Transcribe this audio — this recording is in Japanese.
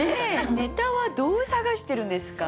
ネタはどう探してるんですか？